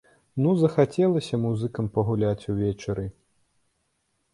Ну захацелася музыкам пагуляць увечары!